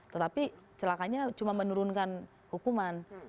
tetapi celakanya cuma menurunkan hukuman